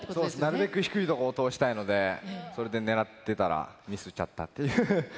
なるべく低い所を通したいので、それで狙ってたらミスっちゃったっていう。